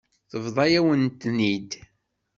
Tebḍa-yawen-ten-id.